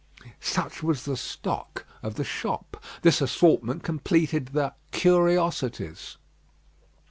Such was the stock of the shop; this assortment completed the "curiosities."